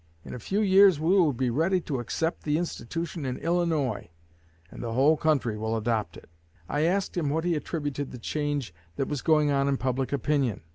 In a few years we will be ready to accept the institution in Illinois, and the whole country will adopt it.' I asked him to what he attributed the change that was going on in public opinion.